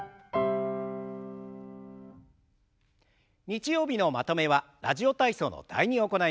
日曜日のまとめは「ラジオ体操」の「第２」を行います。